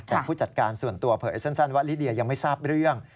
แต่ผู้จัดการส่วนตัวเผยสั้นว่าลิเดียยังไม่ทราบเรื่อง